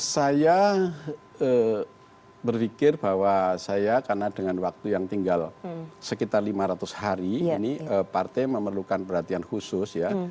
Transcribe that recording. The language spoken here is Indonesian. saya berpikir bahwa saya karena dengan waktu yang tinggal sekitar lima ratus hari ini partai memerlukan perhatian khusus ya